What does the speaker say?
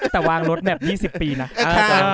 แต่วางรถแมพ๒๐ปีนะ